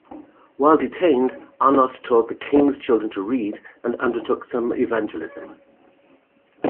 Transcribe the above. While detained, Arnot taught the king's children to read and undertook some evangelism.